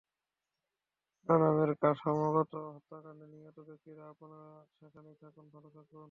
সড়ক দুর্ঘটনা নামের কাঠামোগত হত্যাকাণ্ডে নিহত ব্যক্তিরা, আপনারা যেখানেই থাকুন, ভালো থাকুন।